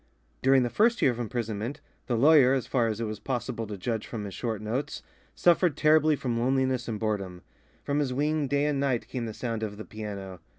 During the first year of imprisonment, the lawyer, as far as it was possible to judge from his short notes, suffered terribly from loneliness and boredom. From his wing day and night came the sound of the piano.